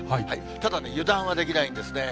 ただね、油断はできないんですね。